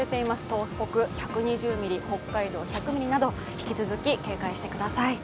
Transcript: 東北１２０ミリ北海道２００ミリなど、引き続き警戒してください。